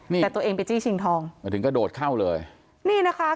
นี่แต่ตัวเองไปจี้ชิงทองมาถึงกระโดดเข้าเลยนี่นะคะ